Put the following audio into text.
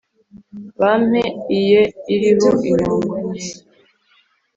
Bampa iye iriho intongo nkeya